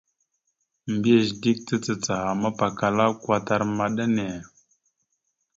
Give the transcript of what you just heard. Mbiyez dik tacacah mapakala kwatar maɗa enne.